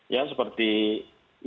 ya seperti india